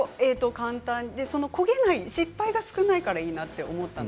簡単で焦げない失敗が少なくていいなと思いました。